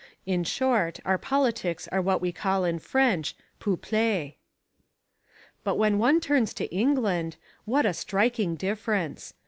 In short, our politics are what we call in French "peuple." But when one turns to England, what a striking difference!